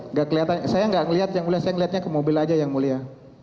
nggak kelihatan saya nggak melihat yang mulia saya ngeliatnya ke mobil aja yang mulia